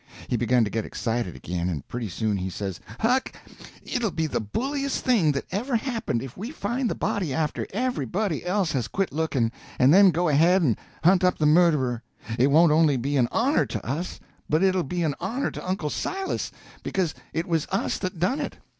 He begun to get excited again, and pretty soon he says: "Huck, it'll be the bulliest thing that ever happened if we find the body after everybody else has quit looking, and then go ahead and hunt up the murderer. It won't only be an honor to us, but it'll be an honor to Uncle Silas because it was us that done it.